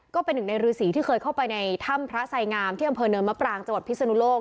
ก็เป็นหนึ่งในฤษีที่เคยเข้าไปในถ้ำพระไสงามที่อำเภอเนินมะปรางจังหวัดพิศนุโลก